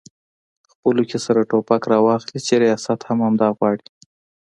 خپلو کې سره ټوپک راواخلي چې ریاست هم همدا غواړي؟